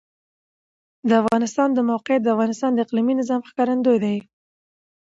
د افغانستان د موقعیت د افغانستان د اقلیمي نظام ښکارندوی ده.